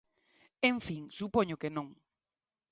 En fin, ¡supoño que non!